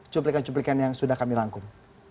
cuplikan cuplikan yang sudah kami rangkum